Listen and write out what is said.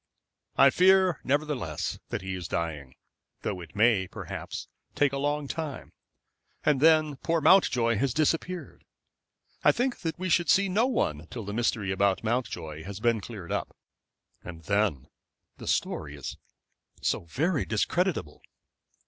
"I fear, nevertheless, that he is dying, though it may, perhaps, take a long time. And then poor Mountjoy has disappeared. I think that we should see no one till the mystery about Mountjoy has been cleared up. And then the story is so very discreditable."